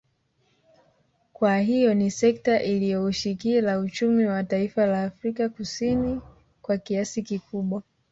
Kwa hiyo ni sekta iliyoushikila uchumi wa taifa la Afrika Kusini kwa kiasi kikubwa